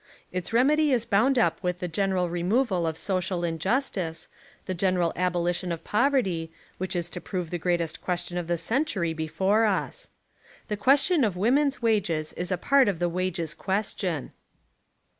Its remedy is bound up with the general removal of social injus tice, the general abolition of poverty, which is to prove the great question of the century be fore us. The question of women's wages is a part of the wages' question.